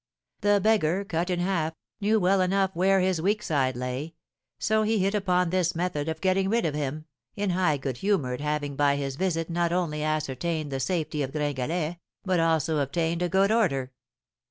The beggar, Cut in Half, knew well enough where his weak side lay, so he hit upon this method of getting rid of him, in high good humour at having by his visit not only ascertained the safety of Gringalet, but also obtained a good order.